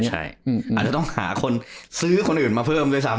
อาจจะต้องหาคนซื้อคนอื่นมาเพิ่มด้วยซ้ำ